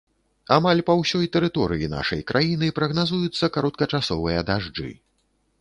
Амаль па ўсёй тэрыторыі нашай краіны прагназуюцца кароткачасовыя дажджы.